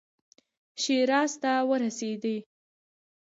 شیراز ته ورسېدی.